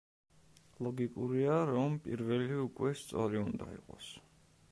ლოგიკურია, რომ პირველი უკვე სწორი უნდა იყოს.